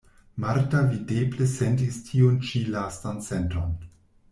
Marta videble sentis tiun ĉi lastan senton.